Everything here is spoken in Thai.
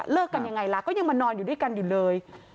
กันยังไงล่ะก็ยังมานอนอยู่ด้วยกันอยู่เลย